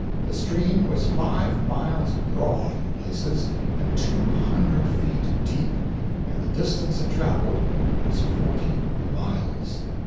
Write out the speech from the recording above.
The stream was five miles broad, in places, and two hundred feet deep, and the distance it traveled was forty miles.